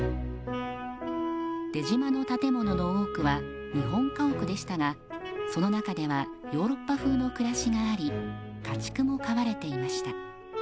出島の建物の多くは日本家屋でしたがその中ではヨーロッパ風の暮らしがあり家畜も飼われていました。